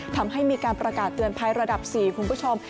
ทำให้มีการประกาศเตือนภัยระดับ๔คุณผู้ชม